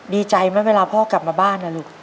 ดีใจไหมเวลาพ่อกลับมาบ้านนะลูก